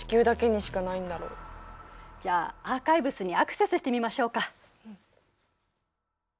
じゃあアーカイブスにアクセスしてみましょうか。